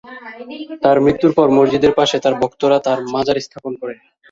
তার মৃত্যুর পর মসজিদের পাশে তার ভক্তরা তার মাজার স্থাপন করে।